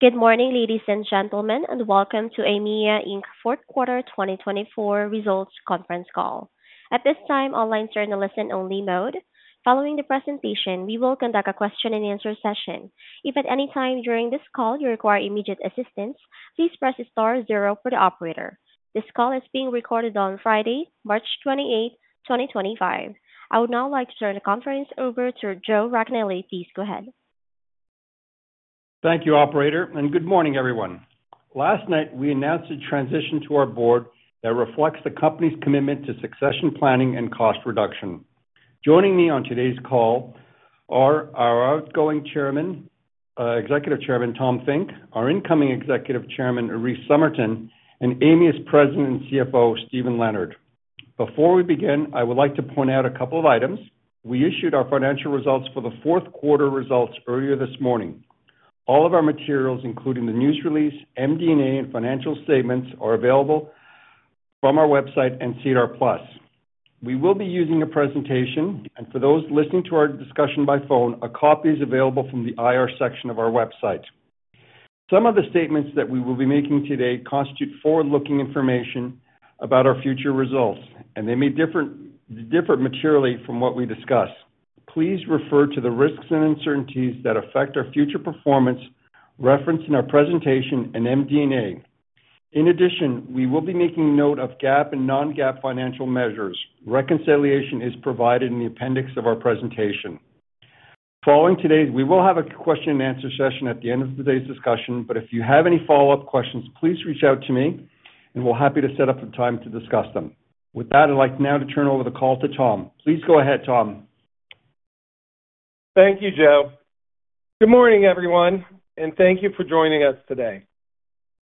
Good morning, ladies and gentlemen, and Welcome to Aimia Fourth Quarter 2024 Results Conference Call. At this time, online journalists in only mode. Following the presentation, we will conduct a question-and-answer session. If at any time during this call you require immediate assistance, please press star zero for the operator. This call is being recorded on Friday, March 28, 2025. I would now like to turn the conference over to Joe Racanelli. Please go ahead. Thank you, Operator, and good morning, everyone. Last night, we announced a transition to our board that reflects the company's commitment to succession planning and cost reduction. Joining me on today's call are our outgoing Chairman, Executive Chairman Tom Finke, our incoming Executive Chairman Rhys Summerton, and Aimia's President and CFO, Steven Leonard. Before we begin, I would like to point out a couple of items. We issued our financial results for the fourth quarter results earlier this morning. All of our materials, including the news release, MD&A, and financial statements, are available from our website and SEDAR+. We will be using a presentation, and for those listening to our discussion by phone, a copy is available from the IR section of our website. Some of the statements that we will be making today constitute forward-looking information about our future results, and they may differ materially from what we discuss. Please refer to the risks and uncertainties that affect our future performance referenced in our presentation and MD&A. In addition, we will be making note of GAAP and non-GAAP financial measures. Reconciliation is provided in the appendix of our presentation. Following today's, we will have a question-and-answer session at the end of today's discussion, but if you have any follow-up questions, please reach out to me, and we're happy to set up a time to discuss them. With that, I'd like now to turn over the call to Tom. Please go ahead, Tom. Thank you, Joe. Good morning, everyone, and thank you for joining us today.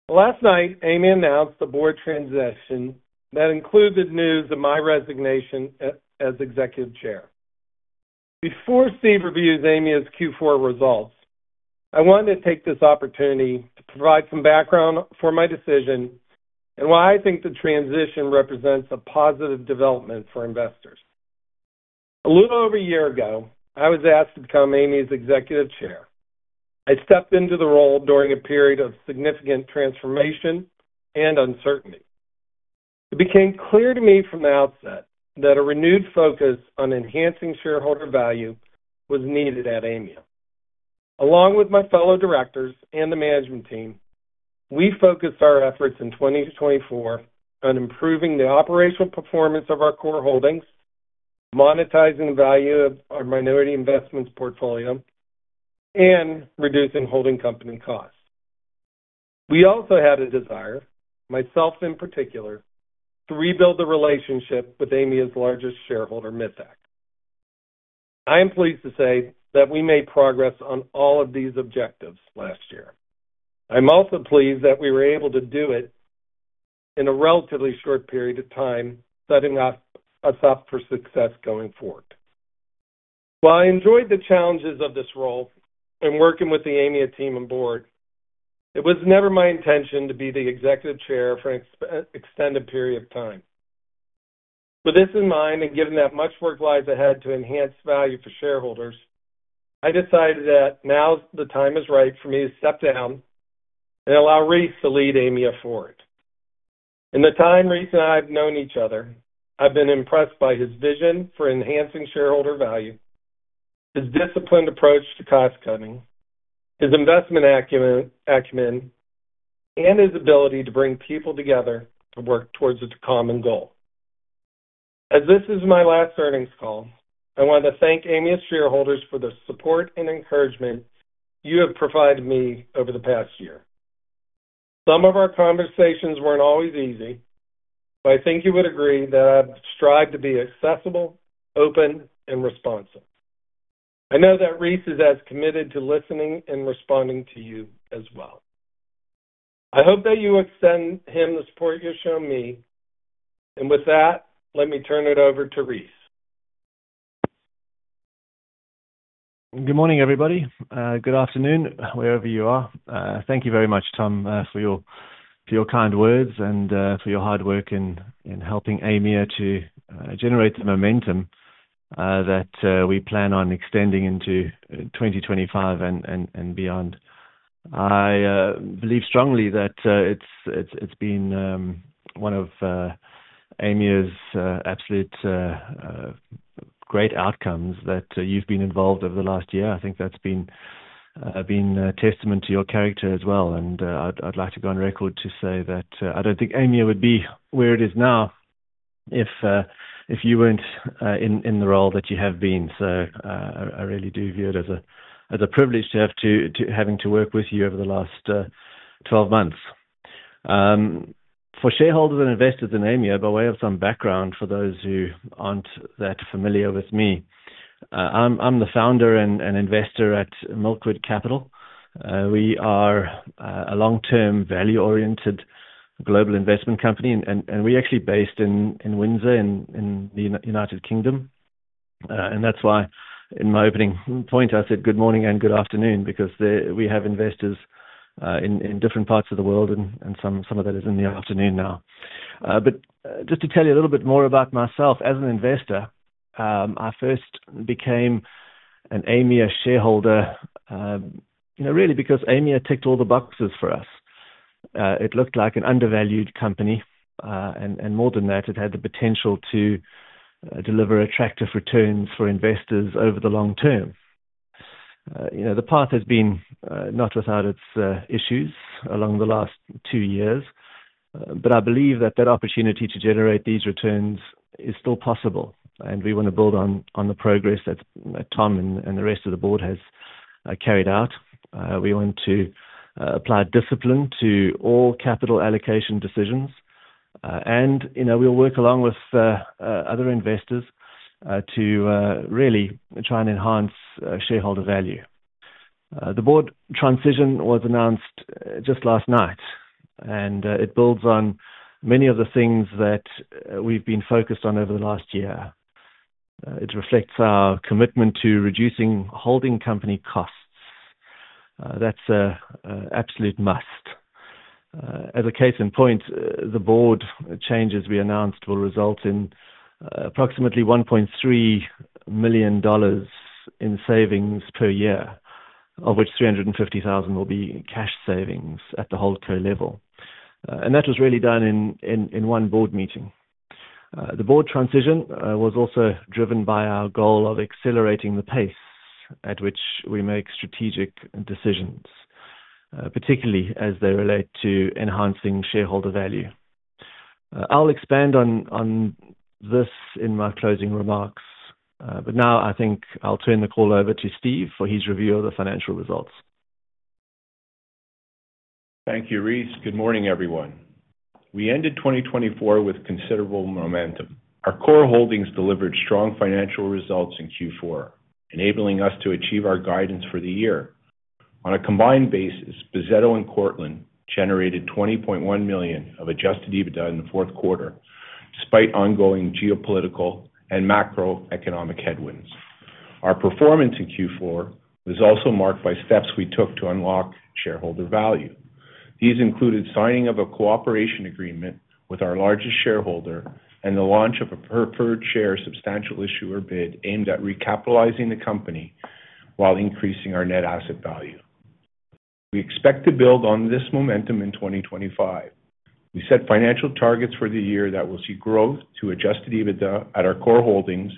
Last night, Aimia announced the board transition that included news of my resignation as Executive Chair. Before Steve reviews Aimia's Q4 results, I wanted to take this opportunity to provide some background for my decision and why I think the transition represents a positive development for investors. A little over a year ago, I was asked to become Aimia's Executive Chair. I stepped into the role during a period of significant transformation and uncertainty. It became clear to me from the outset that a renewed focus on enhancing shareholder value was needed at Aimia. Along with my fellow directors and the management team, we focused our efforts in 2024 on improving the operational performance of our core holdings, monetizing the value of our minority investments portfolio, and reducing holding company costs. We also had a desire, myself in particular, to rebuild the relationship with Aimia's largest shareholder, Mithaq. I am pleased to say that we made progress on all of these objectives last year. I'm also pleased that we were able to do it in a relatively short period of time, setting us up for success going forward. While I enjoyed the challenges of this role and working with the Aimia team and board, it was never my intention to be the Executive Chair for an extended period of time. With this in mind and given that much work lies ahead to enhance value for shareholders, I decided that now the time is right for me to step down and allow Rhys to lead Aimia forward. In the time Rhys and I have known each other, I've been impressed by his vision for enhancing shareholder value, his disciplined approach to cost cutting, his investment acumen, and his ability to bring people together to work towards a common goal. As this is my last earnings call, I want to thank Aimia's shareholders for the support and encouragement you have provided me over the past year. Some of our conversations were not always easy, but I think you would agree that I've strived to be accessible, open, and responsive. I know that Rhys is as committed to listening and responding to you as well. I hope that you extend him the support you've shown me, and with that, let me turn it over to Rhys. Good morning, everybody. Good afternoon, wherever you are. Thank you very much, Tom, for your kind words and for your hard work in helping Aimia to generate the momentum that we plan on extending into 2025 and beyond. I believe strongly that it's been one of Aimia's absolute great outcomes that you've been involved over the last year. I think that's been a testament to your character as well. I would like to go on record to say that I don't think Aimia would be where it is now if you weren't in the role that you have been. I really do view it as a privilege to having to work with you over the last 12 months. For shareholders and investors in Aimia, by way of some background for those who aren't that familiar with me, I'm the founder and investor at Milkwood Capital. We are a long-term value-oriented global investment company, and we're actually based in Windsor in the U.K. That is why in my opening point, I said good morning and good afternoon because we have investors in different parts of the world, and some of that is in the afternoon now. Just to tell you a little bit more about myself as an investor, I first became an Aimia shareholder really because Aimia ticked all the boxes for us. It looked like an undervalued company, and more than that, it had the potential to deliver attractive returns for investors over the long term. The path has been not without its issues along the last two years, but I believe that that opportunity to generate these returns is still possible, and we want to build on the progress that Tom and the rest of the board has carried out. We want to apply discipline to all capital allocation decisions, and we'll work along with other investors to really try and enhance shareholder value. The board transition was announced just last night, and it builds on many of the things that we've been focused on over the last year. It reflects our commitment to reducing holding company costs. That's an absolute must. As a case in point, the board changes we announced will result in approximately 1.3 million dollars in savings per year, of which 350,000 will be cash savings at the whole core level. That was really done in one board meeting. The board transition was also driven by our goal of accelerating the pace at which we make strategic decisions, particularly as they relate to enhancing shareholder value. I'll expand on this in my closing remarks, but now I think I'll turn the call over to Steve for his review of the financial results. Thank you, Rhys. Good morning, everyone. We ended 2024 with considerable momentum. Our core holdings delivered strong financial results in Q4, enabling us to achieve our guidance for the year. On a combined basis, Bizetto and Cortland generated 20.1 million of adjusted EBITDA in the fourth quarter, despite ongoing geopolitical and macroeconomic headwinds. Our performance in Q4 was also marked by steps we took to unlock shareholder value. These included signing of a cooperation agreement with our largest shareholder and the launch of a preferred share substantial issuer bid aimed at recapitalizing the company while increasing our net asset value. We expect to build on this momentum in 2025. We set financial targets for the year that will see growth to adjusted EBITDA at our core holdings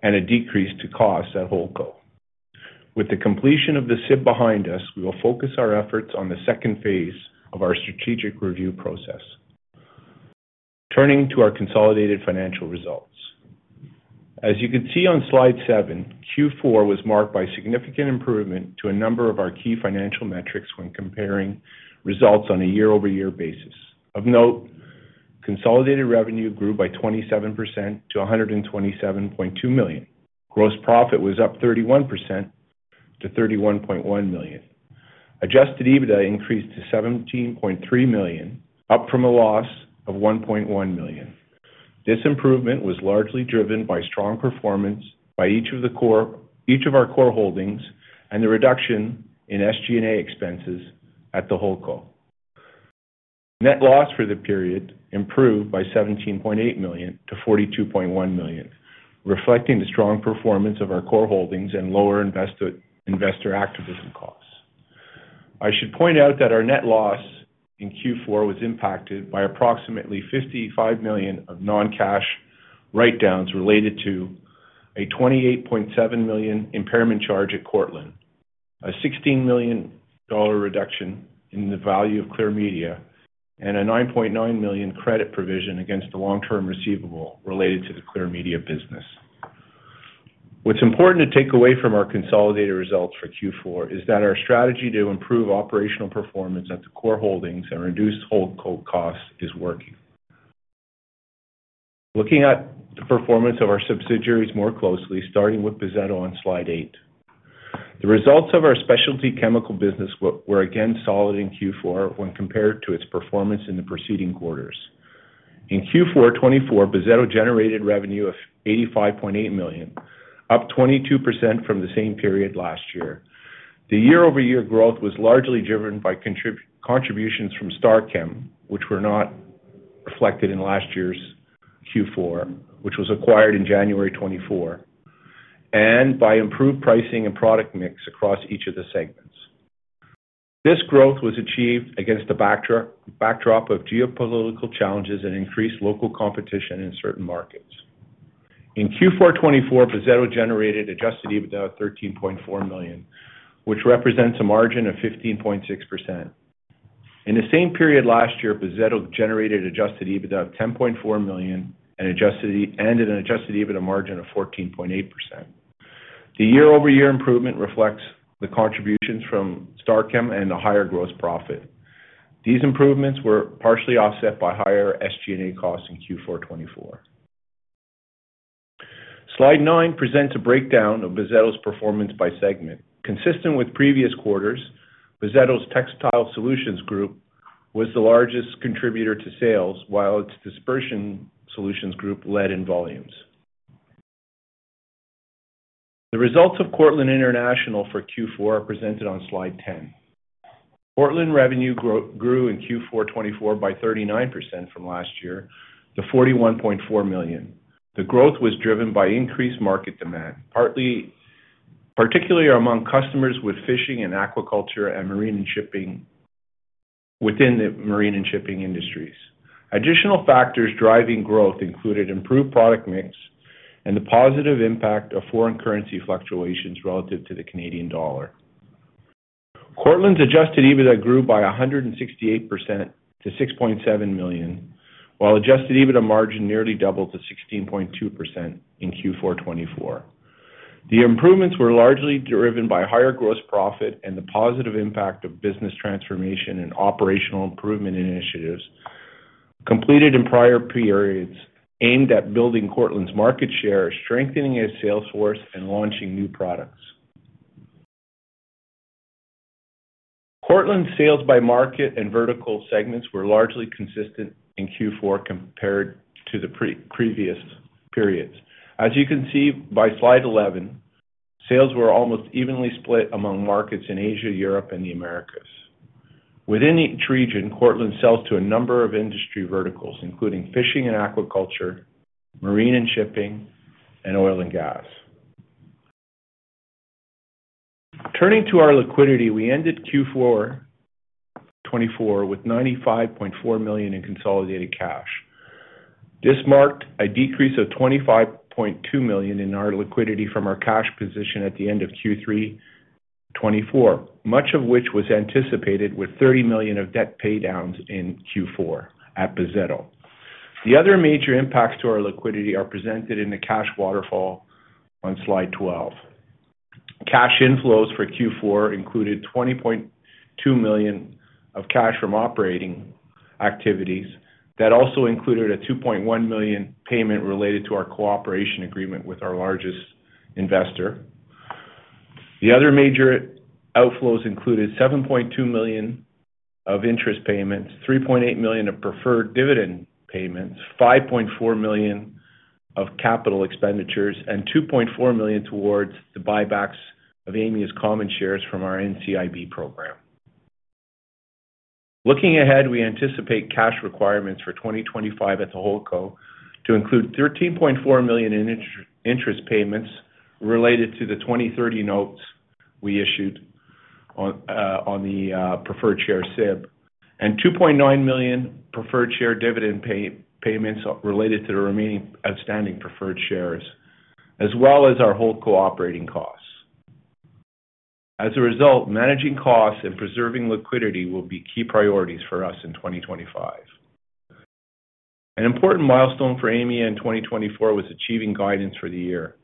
and a decrease to cost at whole co. With the completion of the SIB behind us, we will focus our efforts on the second phase of our strategic review process. Turning to our consolidated financial results. As you can see on slide seven, Q4 was marked by significant improvement to a number of our key financial metrics when comparing results on a year-over-year basis. Of note, consolidated revenue grew by 27% to 127.2 million. Gross profit was up 31% to 31.1 million. Adjusted EBITDA increased to 17.3 million, up from a loss of 1.1 million. This improvement was largely driven by strong performance by each of our core holdings and the reduction in SG&A expenses at the holdco. Net loss for the period improved by 17.8 million to 42.1 million, reflecting the strong performance of our core holdings and lower investor activism costs. I should point out that our net loss in Q4 was impacted by approximately 55 million of non-cash write-downs related to a 28.7 million impairment charge at Cortland, a 16 million dollar reduction in the value of Clear Media, and a 9.9 million credit provision against the long-term receivable related to the Clear Media business. What's important to take away from our consolidated results for Q4 is that our strategy to improve operational performance at the core holdings and reduce whole co costs is working. Looking at the performance of our subsidiaries more closely, starting with Bizetto on slide eight, the results of our specialty chemical business were again solid in Q4 when compared to its performance in the preceding quarters. In Q4 2024, Bizetto generated revenue of 85.8 million, up 22% from the same period last year. The year-over-year growth was largely driven by contributions from StarChem, which were not reflected in last year's Q4, which was acquired in January 2024, and by improved pricing and product mix across each of the segments. This growth was achieved against the backdrop of geopolitical challenges and increased local competition in certain markets. In Q4 2024, Bizetto generated adjusted EBITDA of 13.4 million, which represents a margin of 15.6%. In the same period last year, Bizetto generated adjusted EBITDA of 10.4 million and an adjusted EBITDA margin of 14.8%. The year-over-year improvement reflects the contributions from StarChem and the higher gross profit. These improvements were partially offset by higher SG&A costs in Q4 2024. Slide nine presents a breakdown of Bizetto's performance by segment. Consistent with previous quarters, Bizetto's Textile Solutions Group was the largest contributor to sales, while its Dispersion Solutions Group led in volumes. The results of Cortland International for Q4 are presented on slide 10. Cortland revenue grew in Q4 2024 by 39% from last year to 41.4 million. The growth was driven by increased market demand, particularly among customers with fishing and aquaculture and marine and shipping within the marine and shipping industries. Additional factors driving growth included improved product mix and the positive impact of foreign currency fluctuations relative to the Canadian dollar. Cortland's adjusted EBITDA grew by 168% to 6.7 million, while adjusted EBITDA margin nearly doubled to 16.2% in Q4 2024. The improvements were largely driven by higher gross profit and the positive impact of business transformation and operational improvement initiatives completed in prior periods aimed at building Cortland's market share, strengthening its salesforce, and launching new products. Cortland's sales by market and vertical segments were largely consistent in Q4 compared to the previous periods. As you can see by slide 11, sales were almost evenly split among markets in Asia, Europe, and the Americas. Within each region, Cortland sells to a number of industry verticals, including fishing and aquaculture, marine and shipping, and oil and gas. Turning to our liquidity, we ended Q4 2024 with 95.4 million in consolidated cash. This marked a decrease of 25.2 million in our liquidity from our cash position at the end of Q3 2024, much of which was anticipated with 30 million of debt paydowns in Q4 at Bizetto. The other major impacts to our liquidity are presented in the cash waterfall on slide 12. Cash inflows for Q4 included 20.2 million of cash from operating activities that also included a 2.1 million payment related to our cooperation agreement with our largest investor. The other major outflows included 7.2 million of interest payments, 3.8 million of preferred dividend payments, 5.4 million of capital expenditures, and 2.4 million towards the buybacks of Aimia's common shares from our NCIB program. Looking ahead, we anticipate cash requirements for 2025 at the whole co to include 13.4 million in interest payments related to the 2030 notes we issued on the preferred share SIB and 2.9 million preferred share dividend payments related to the remaining outstanding preferred shares, as well as our whole co operating costs. As a result, managing costs and preserving liquidity will be key priorities for us in 2025. An important milestone for Aimia in 2024 was achieving guidance for the year.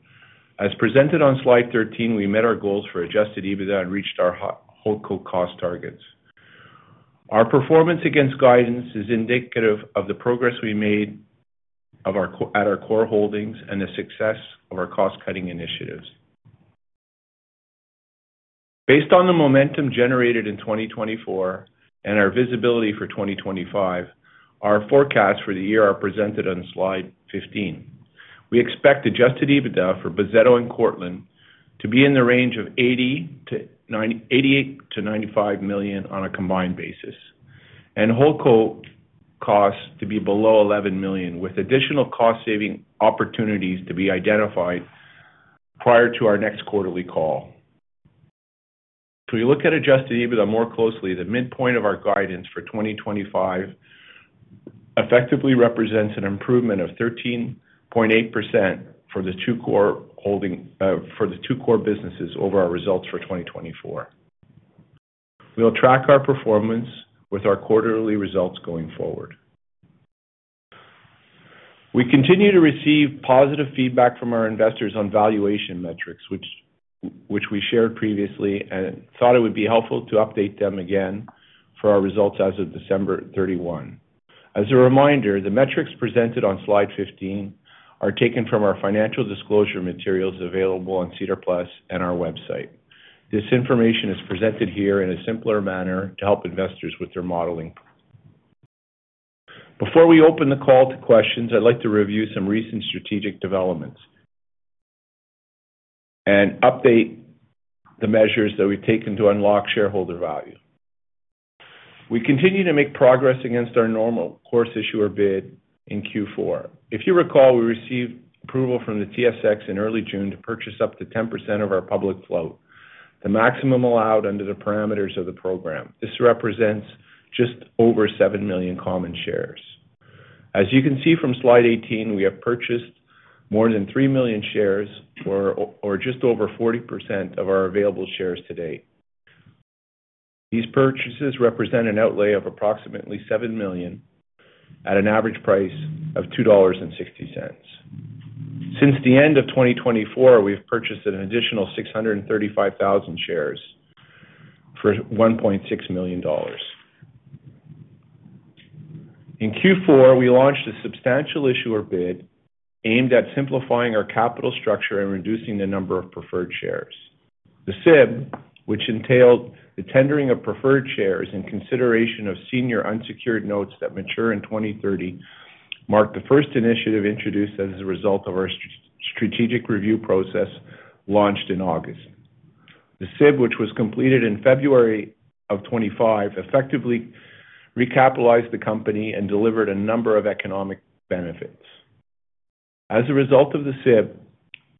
As presented on slide 13, we met our goals for adjusted EBITDA and reached our whole co cost targets. Our performance against guidance is indicative of the progress we made at our core holdings and the success of our cost-cutting initiatives. Based on the momentum generated in 2024 and our visibility for 2025, our forecasts for the year are presented on slide 15. We expect adjusted EBITDA for Bizetto and Cortland to be in the range of 88 million-95 million on a combined basis and whole co costs to be below 11 million, with additional cost-saving opportunities to be identified prior to our next quarterly call. If we look at adjusted EBITDA more closely, the midpoint of our guidance for 2025 effectively represents an improvement of 13.8% for the two core businesses over our results for 2024. We'll track our performance with our quarterly results going forward. We continue to receive positive feedback from our investors on valuation metrics, which we shared previously and thought it would be helpful to update them again for our results as of December 31. As a reminder, the metrics presented on slide 15 are taken from our financial disclosure materials available on SEDAR+ and our website. This information is presented here in a simpler manner to help investors with their modeling. Before we open the call to questions, I'd like to review some recent strategic developments and update the measures that we've taken to unlock shareholder value. We continue to make progress against our normal course issuer bid in Q4. If you recall, we received approval from the Toronto Stock Exchange in early June to purchase up to 10% of our public float, the maximum allowed under the parameters of the program. This represents just over 7 million common shares. As you can see from slide 18, we have purchased more than 3 million shares or just over 40% of our available shares to date. These purchases represent an outlay of approximately 7 million at an average price of 2.60 dollars. Since the end of 2024, we've purchased an additional 635,000 shares for 1.6 million dollars. In Q4, we launched a substantial issuer bid aimed at simplifying our capital structure and reducing the number of preferred shares. The SIB, which entailed the tendering of preferred shares in consideration of senior unsecured notes that mature in 2030, marked the first initiative introduced as a result of our strategic review process launched in August. The SIB, which was completed in February of 2025, effectively recapitalized the company and delivered a number of economic benefits. As a result of the SIB,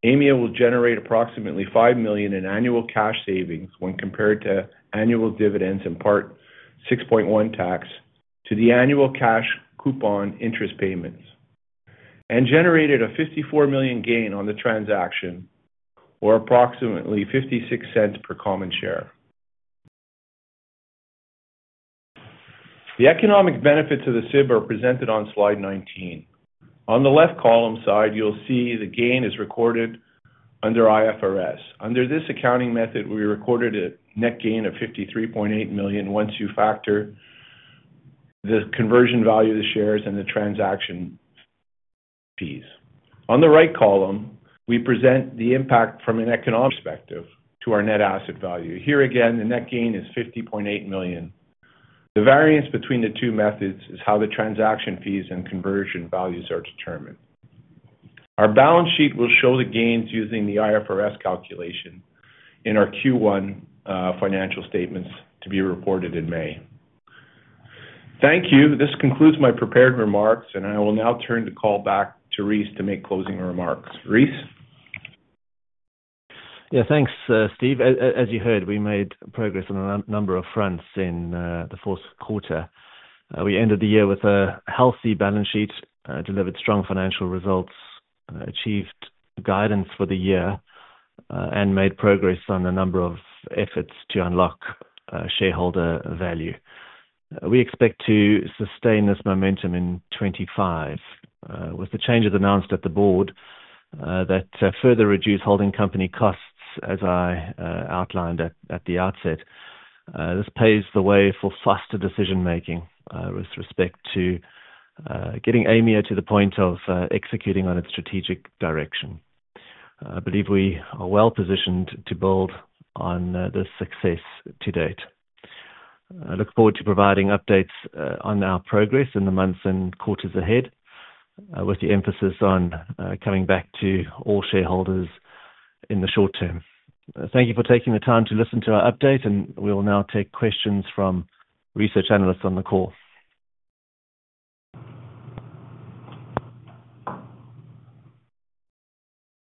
Aimia will generate approximately 5 million in annual cash savings when compared to annual dividends and Part VI.1 tax to the annual cash coupon interest payments and generated a 54 million gain on the transaction or approximately 0.56 per common share. The economic benefits of the SIB are presented on slide 19. On the left column side, you'll see the gain is recorded under IFRS. Under this accounting method, we recorded a net gain of 53.8 million once you factor the conversion value of the shares and the transaction fees. On the right column, we present the impact from an economic perspective to our net asset value. Here again, the net gain is 50.8 million. The variance between the two methods is how the transaction fees and conversion values are determined. Our balance sheet will show the gains using the IFRS calculation in our Q1 financial statements to be reported in May. Thank you. This concludes my prepared remarks, and I will now turn the call back to Rhys to make closing remarks. Rhys? Yeah, thanks, Steve. As you heard, we made progress on a number of fronts in the fourth quarter. We ended the year with a healthy balance sheet, delivered strong financial results, achieved guidance for the year, and made progress on a number of efforts to unlock shareholder value. We expect to sustain this momentum in 2025 with the changes announced at the board that further reduce holding company costs, as I outlined at the outset. This paves the way for faster decision-making with respect to getting Aimia to the point of executing on its strategic direction. I believe we are well positioned to build on this success to date. I look forward to providing updates on our progress in the months and quarters ahead with the emphasis on coming back to all shareholders in the short term. Thank you for taking the time to listen to our update, and we will now take questions from research analysts on the call.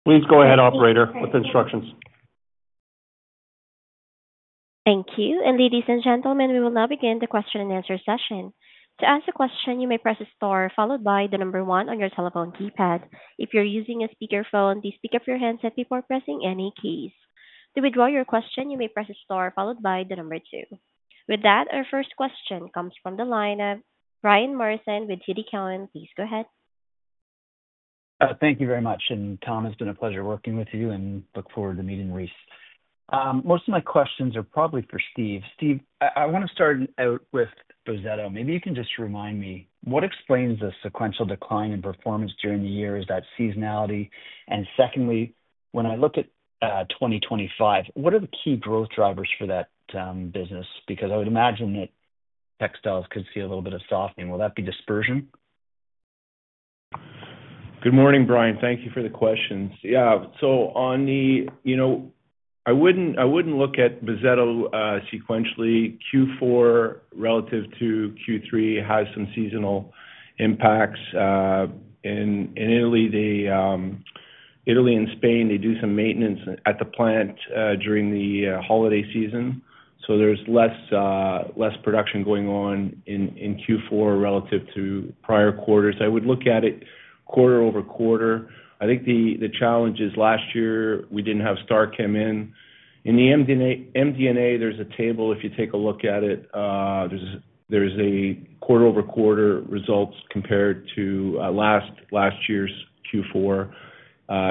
Please go ahead, Operator, with instructions. Thank you. Ladies and gentlemen, we will now begin the question and answer session. To ask a question, you may press the star followed by the number one on your telephone keypad. If you're using a speakerphone, please pick up your handset before pressing any keys. To withdraw your question, you may press the star followed by the number two. With that, our first question comes from the line of Brian Morrison with TD Cowen. Please go ahead. Thank you very much. Tom, it's been a pleasure working with you, and I look forward to meeting Rhys. Most of my questions are probably for Steve. Steve, I want to start out with Bizetto. Maybe you can just remind me what explains the sequential decline in performance during the year? Is that seasonality? Secondly, when I look at 2025, what are the key growth drivers for that business? Because I would imagine that textiles could see a little bit of softening. Will that be dispersion? Good morning, Brian. Thank you for the questions. Yeah. On the, you know, I wouldn't look at Bizetto sequentially. Q4 relative to Q3 has some seasonal impacts. In Italy and Spain, they do some maintenance at the plant during the holiday season. There's less production going on in Q4 relative to prior quarters. I would look at it quarter over quarter. I think the challenge is last year we didn't have StarChem in. In the MD&A, there's a table. If you take a look at it, there's a quarter over quarter results compared to last year's Q4,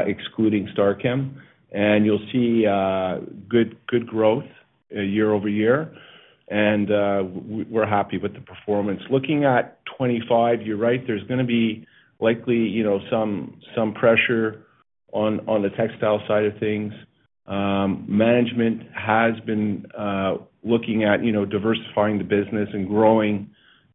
excluding StarChem. You'll see good growth year over year. We're happy with the performance. Looking at 2025, you're right, there's going to be likely some pressure on the textile side of things. Management has been looking at diversifying the business and growing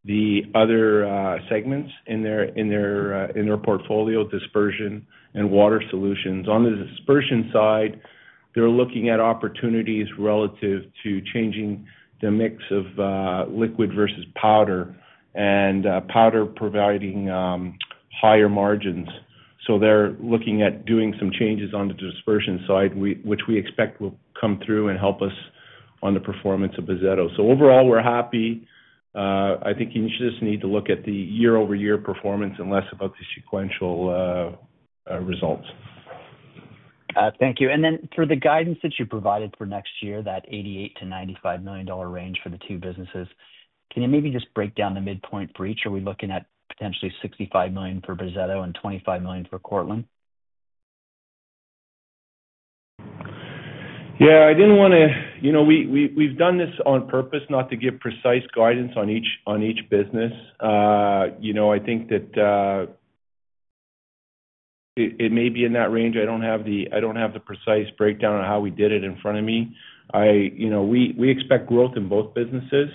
the other segments in their portfolio, dispersion and water solutions. On the dispersion side, they're looking at opportunities relative to changing the mix of liquid versus powder and powder providing higher margins. They're looking at doing some changes on the dispersion side, which we expect will come through and help us on the performance of Bizetto. Overall, we're happy. I think you just need to look at the year-over-year performance and less about the sequential results. Thank you. For the guidance that you provided for next year, that 88 million-95 million dollar range for the two businesses, can you maybe just break down the midpoint for each? Are we looking at potentially 65 million for Bizetto and 25 million for Cortland? Yeah. I didn't want to, you know, we've done this on purpose not to give precise guidance on each business. You know, I think that it may be in that range. I don't have the precise breakdown on how we did it in front of me. We expect growth in both businesses.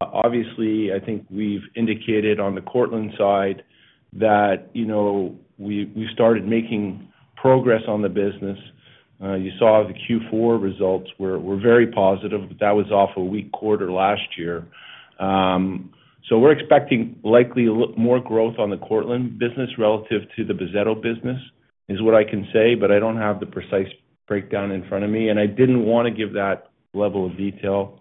Obviously, I think we've indicated on the Cortland side that we've started making progress on the business. You saw the Q4 results were very positive, but that was off a weak quarter last year. We are expecting likely more growth on the Cortland business relative to the Bizetto business is what I can say, but I don't have the precise breakdown in front of me. I didn't want to give that level of detail.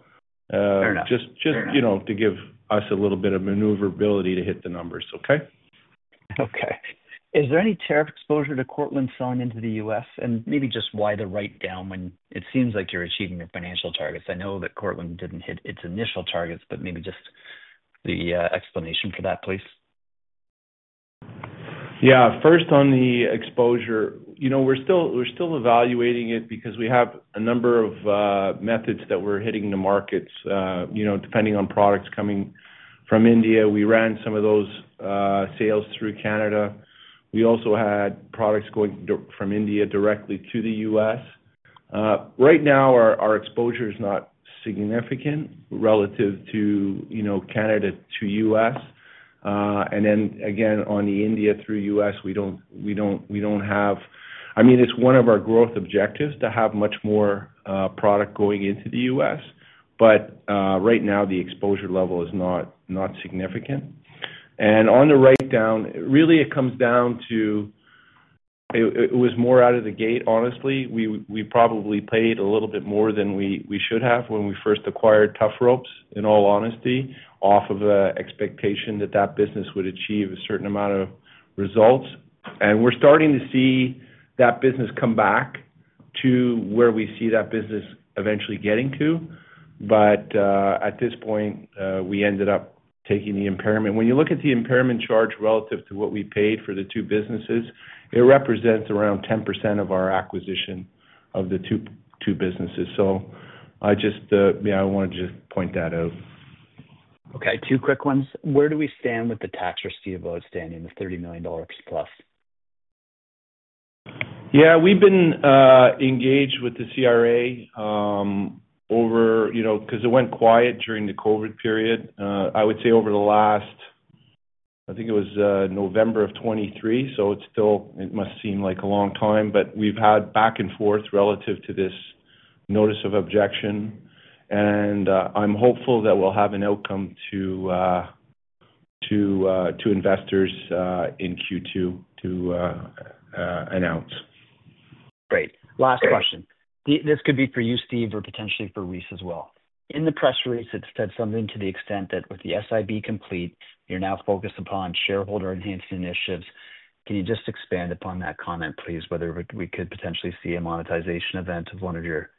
Fair enough. Just to give us a little bit of maneuverability to hit the numbers, okay? Okay. Is there any tariff exposure to Cortland selling into the U.S.? And maybe just why the write-down when it seems like you're achieving your financial targets? I know that Cortland didn't hit its initial targets, but maybe just the explanation for that, please. Yeah. First, on the exposure, you know, we're still evaluating it because we have a number of methods that we're hitting the markets depending on products coming from India. We ran some of those sales through Canada. We also had products going from India directly to the U.S. Right now, our exposure is not significant relative to Canada to U.S. You know, on the India through U.S., we don't have, I mean, it's one of our growth objectives to have much more product going into the U.S. Right now, the exposure level is not significant. On the write-down, really, it comes down to it was more out of the gate, honestly. We probably paid a little bit more than we should have when we first acquired Tufropes, in all honesty, off of an expectation that that business would achieve a certain amount of results. We're starting to see that business come back to where we see that business eventually getting to. At this point, we ended up taking the impairment. When you look at the impairment charge relative to what we paid for the two businesses, it represents around 10% of our acquisition of the two businesses. I just wanted to point that out. Okay. Two quick ones. Where do we stand with the tax receivables, standing the $30 million plus? Yeah. We've been engaged with the CRA over, you know, because it went quiet during the COVID period. I would say over the last, I think it was November of 2023. It still, it must seem like a long time, but we've had back and forth relative to this notice of objection. I'm hopeful that we'll have an outcome to investors in Q2 to announce. Great. Last question. This could be for you, Steve, or potentially for Rhys as well. In the press release, it said something to the extent that with the SIB complete, you're now focused upon shareholder-enhancing initiatives. Can you just expand upon that comment, please, whether we could potentially see a monetization event of one of your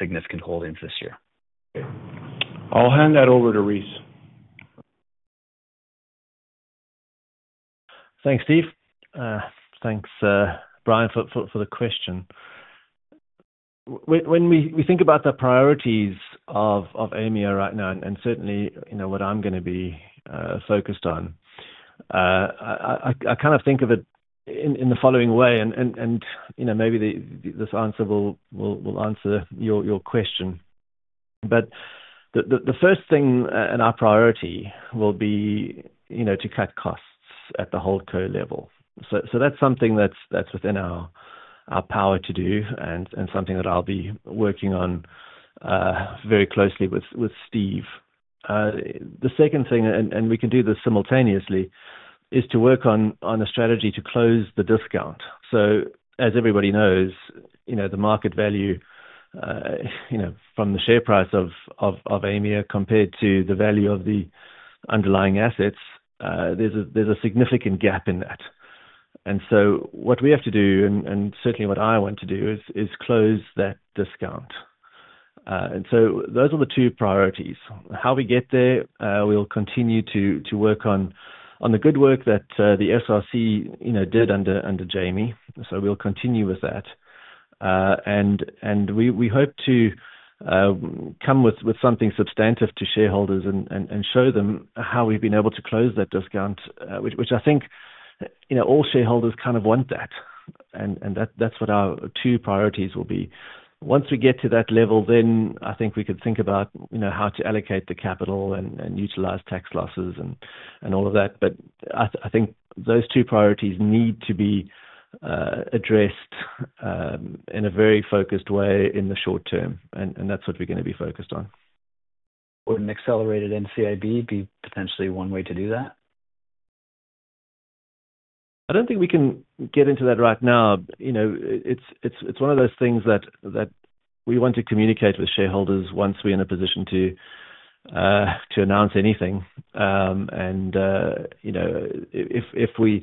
significant holdings this year? I'll hand that over to Rhys. Thanks, Steve. Thanks, Brian, for the question. When we think about the priorities of Aimia right now, and certainly, you know, what I'm going to be focused on, I kind of think of it in the following way. Maybe this answer will answer your question. The first thing and our priority will be to cut costs at the whole core level. That's something that's within our power to do and something that I'll be working on very closely with Steve. The second thing, and we can do this simultaneously, is to work on a strategy to close the discount. As everybody knows, the market value from the share price of Aimia compared to the value of the underlying assets, there's a significant gap in that. What we have to do, and certainly what I want to do, is close that discount. Those are the two priorities. How we get there, we'll continue to work on the good work that the SRC did under Jamie. We'll continue with that. We hope to come with something substantive to shareholders and show them how we've been able to close that discount, which I think all shareholders kind of want that. That's what our two priorities will be. Once we get to that level, I think we could think about how to allocate the capital and utilize tax losses and all of that. I think those two priorities need to be addressed in a very focused way in the short term. That's what we're going to be focused on. Would an accelerated NCIB be potentially one way to do that? I don't think we can get into that right now. It's one of those things that we want to communicate with shareholders once we're in a position to announce anything. If we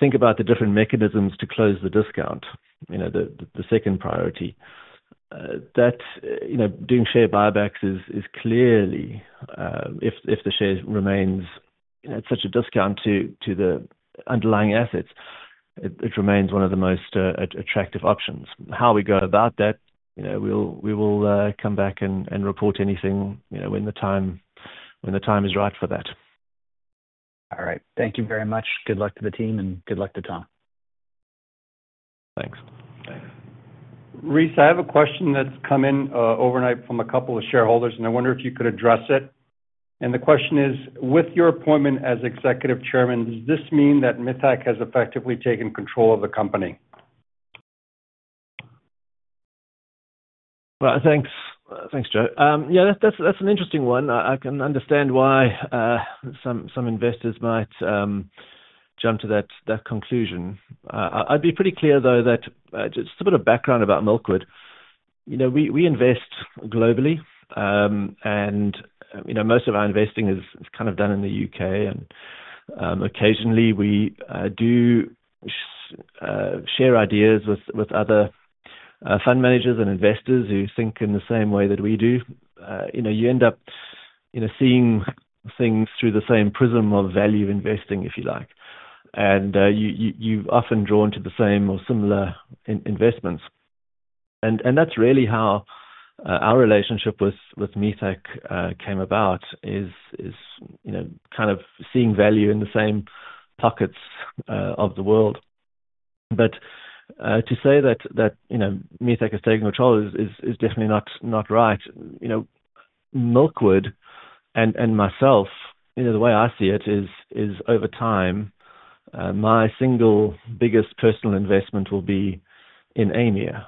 think about the different mechanisms to close the discount, the second priority, that doing share buybacks is clearly, if the share remains at such a discount to the underlying assets, it remains one of the most attractive options. How we go about that, we will come back and report anything when the time is right for that. All right. Thank you very much. Good luck to the team and good luck to Tom. Thanks. Rhys, I have a question that's come in overnight from a couple of shareholders, and I wonder if you could address it. The question is, with your appointment as Executive Chairman, does this mean that Mithaq has effectively taken control of the company? Thanks, Joe. Yeah, that's an interesting one. I can understand why some investors might jump to that conclusion. I'd be pretty clear, though, that just a bit of background about Milkwood. We invest globally, and most of our investing is kind of done in the U.K. Occasionally, we do share ideas with other fund managers and investors who think in the same way that we do. You end up seeing things through the same prism of value investing, if you like. You've often drawn to the same or similar investments. That's really how our relationship with Mithaq came about, is kind of seeing value in the same pockets of the world. To say that Mithaq has taken control is definitely not right. Milkwood and myself, the way I see it is over time, my single biggest personal investment will be in Aimia.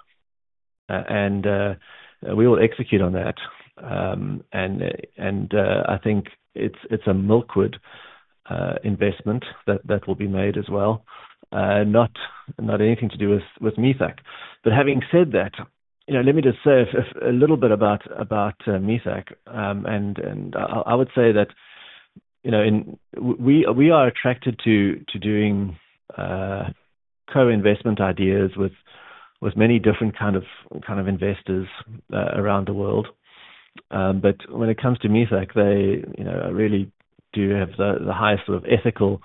We will execute on that. I think it's a Milkwood investment that will be made as well, not anything to do with Mithaq. Having said that, let me just say a little bit about Mithaq. I would say that we are attracted to doing co-investment ideas with many different kinds of investors around the world. When it comes to Mithaq, they really do have the highest sort of ethical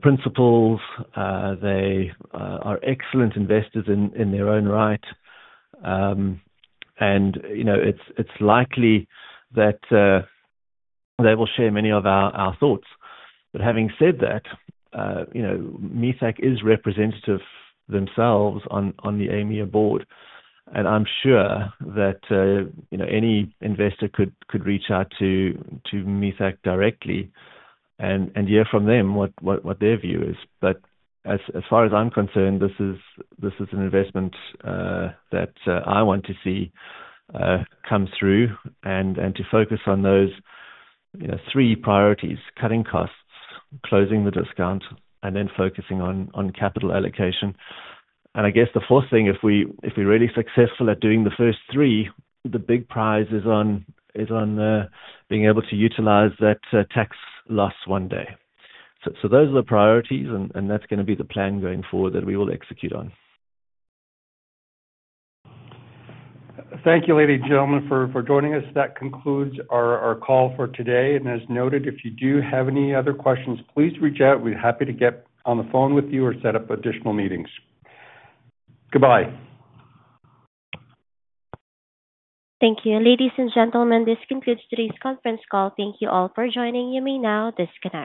principles. They are excellent investors in their own right. It's likely that they will share many of our thoughts. Having said that, Mithaq is representative themselves on the Aimia board. I'm sure that any investor could reach out to Mithaq directly and hear from them what their view is. As far as I'm concerned, this is an investment that I want to see come through and to focus on those three priorities: cutting costs, closing the discount, and then focusing on capital allocation. I guess the fourth thing, if we're really successful at doing the first three, the big prize is on being able to utilize that tax loss one day. Those are the priorities, and that's going to be the plan going forward that we will execute on. Thank you, ladies and gentlemen, for joining us. That concludes our call for today. As noted, if you do have any other questions, please reach out. We're happy to get on the phone with you or set up additional meetings. Goodbye. Thank you. Ladies and gentlemen, this concludes today's conference call. Thank you all for joining you may now disconnect.